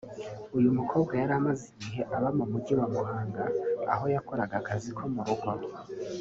uyu mukobwa yari amaze igihe aba mu mujyi wa Muhanga aho yakoraga akazi ko mu rugo